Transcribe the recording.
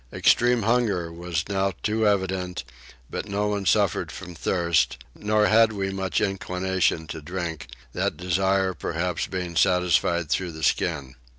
Extreme hunger was now too evident, but no one suffered from thirst, nor had we much inclination to drink, that desire perhaps being satisfied through the skin.